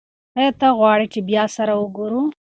ایا ته غواړې چې بیا سره وګورو؟